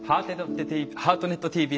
「ハートネットＴＶ